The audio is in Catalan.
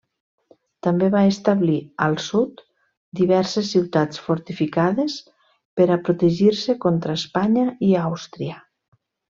També va establir al sud diverses ciutats fortificades per a protegir-se contra Espanya i Àustria.